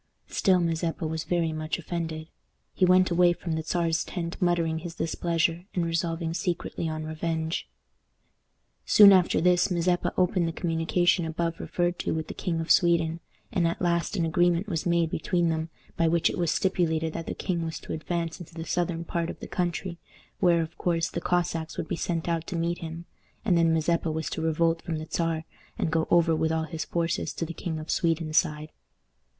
Still, Mazeppa was very much offended. He went away from the Czar's tent muttering his displeasure, and resolving secretly on revenge. Soon after this Mazeppa opened the communication above referred to with the King of Sweden, and at last an agreement was made between them by which it was stipulated that the king was to advance into the southern part of the country, where, of course, the Cossacks would be sent out to meet him, and then Mazeppa was to revolt from the Czar, and go over with all his forces to the King of Sweden's side.